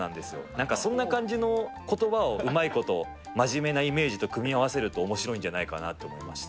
なんかそんな感じのことばをうまいこと真面目なイメージと組み合わせるとおもしろいんじゃないかなと思いました。